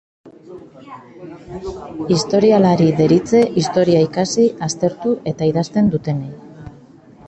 Historialari deritze historia ikasi, aztertu eta idazten dutenei.